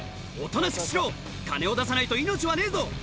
「おとなしくしろ金を出さないと命はねえぞ！」